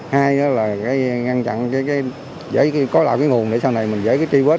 hai là ngăn chặn dễ cối lạo nguồn để sau này dễ tri vết